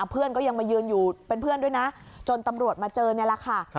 เพื่อนก็ยังมายืนอยู่เป็นเพื่อนด้วยนะจนตำรวจมาเจอนี่แหละค่ะ